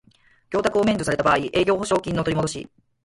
供託を免除された場合の営業保証金の取りもどし